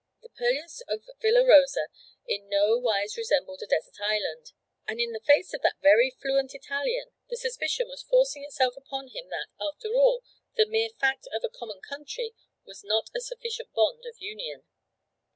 The purlieus of Villa Rosa in no wise resembled a desert island; and in the face of that very fluent Italian, the suspicion was forcing itself upon him that, after all, the mere fact of a common country was not a sufficient bond of union.